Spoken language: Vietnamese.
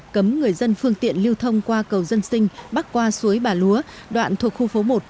cấm người dân phương tiện lưu thông qua cầu dân sinh bắc qua suối bà lúa đoạn thuộc khu phố một